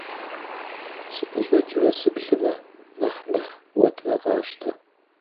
Сыкъыщӏэкӏрэ сыплъэмэ, мэхь-мэхь, бгъуэтмэ къащтэ.